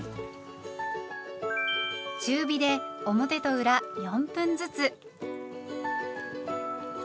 中火で表と裏４分ずつ。